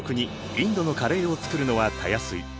インドのカレーを作るのはたやすい。